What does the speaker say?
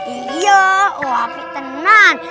iya wah tapi tenang